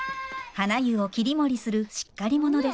はな湯を切り盛りするしっかり者です。